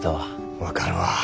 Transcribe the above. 分かるわ。